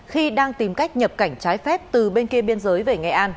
khi đang tìm cách nhập cảnh trái phép từ bên kia biên giới về nghệ an